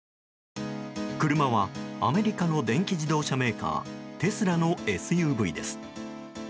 車はアメリカの電気自動車メーカーテスラのＳＵＶです。